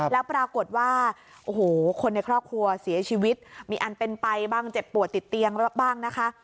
แล้วปรากฏว่าโอ้โหคนในครอบครัวเสียชีวิตมีอันเป็นไปบ้างเจ็บปวดติดเตียงบ้างนะคะ